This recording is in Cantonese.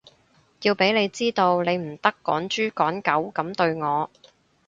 要畀你知道，你唔得趕豬趕狗噉對我